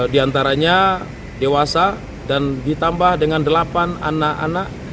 di antaranya dewasa dan ditambah dengan delapan anak anak